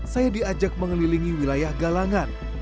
saya diajak mengelilingi wilayah galangan